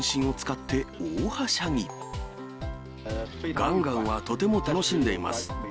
ガンガンはとても楽しんでいます。